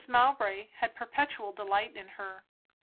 Mowbray had perpetual delight in her.